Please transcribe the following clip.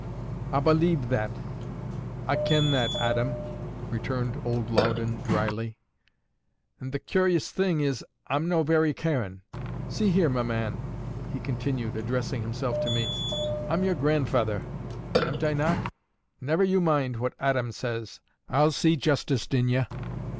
"A believe that; A ken that, Aadam," returned old Loudon, dryly; "and the curiis thing is, I'm no very carin'. See here, ma man," he continued, addressing himself to me. "A'm your grandfaither, amn't I not? Never you mind what Aadam says. A'll see justice din ye.